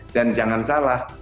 dan jangan salah